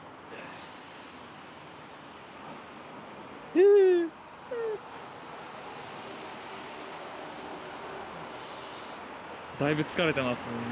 ふうっだいぶ疲れてますよね